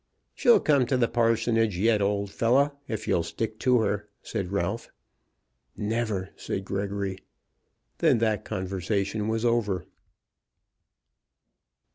"She'll come to the parsonage yet, old fellow, if you'll stick to her," said Ralph. "Never," said Gregory. Then that conversation was over.